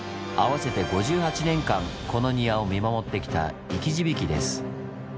合わせて５８年間この庭を見守ってきた生き字引です。